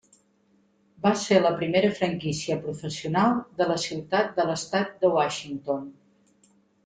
Va ser la primera franquícia professional de la ciutat de l'estat de Washington.